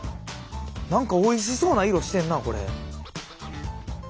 何かおいしそうな色してんなこれ。